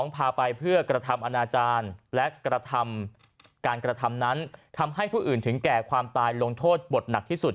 พาไปเพื่อกระทำอนาจารย์และกระทำการกระทำนั้นทำให้ผู้อื่นถึงแก่ความตายลงโทษบทหนักที่สุด